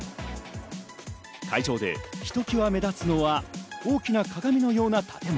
会場でひときわ目立つのは大きな鏡のような建物。